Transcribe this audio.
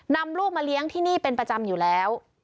นำลูกมาเลี้ยงที่นี่เป็นประจำอยู่แล้ว